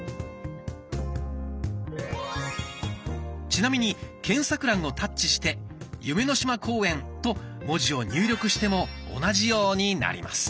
ちなみに検索欄をタッチして「夢の島公園」と文字を入力しても同じようになります。